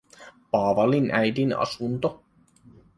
Paavalin äidin asunto.